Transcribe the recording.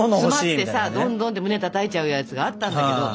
詰まってさドンドンって胸たたいちゃうやつがあったんだけど。